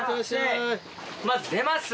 まず出ます。